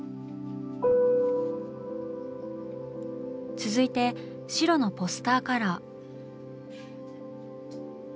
続いて白のポスターカラー。